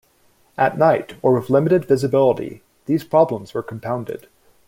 At night, or with limited visibility, these problems were compounded.